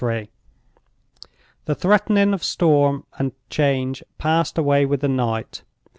The threatening of storm and change passed away with the night.